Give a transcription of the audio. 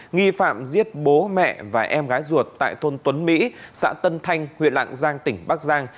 nghi phạm giết bố mẹ và em gái ruột tại thôn tuấn mỹ xã tân thanh huyện lạng giang tỉnh bắc giang